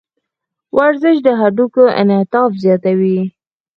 ورزش د هډوکو انعطاف زیاتوي.